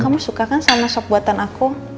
kamu suka kan sama sop buatan aku